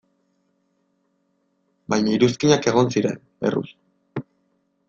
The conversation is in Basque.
Baina iruzkinak egon ziren, erruz.